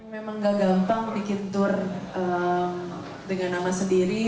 memang nggak gampang bikin tur dengan nama sendiri